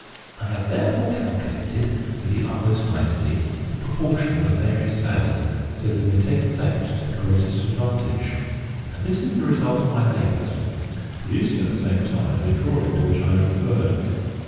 I have therefore calculated, with the utmost nicety, the proportion of her various sails, so that they may take effect to the greatest advantage; and this is the result of my labours," producing at the same time the drawing to which I have referred.